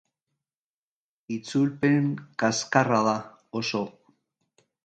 Itzulpen kaxkarra da, oso.